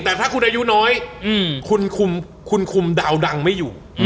แต่ถ้าคุณอายุน้อยคุณคุมดาวดังไม่อยู่